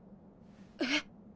えっ。